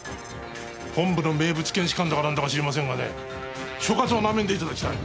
本部の名物検視官だかなんだか知りませんがね所轄をなめんで頂きたい。